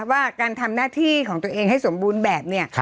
ว่าการทำหน้าที่ของตัวเองให้สมบูรณ์แบบเนี่ย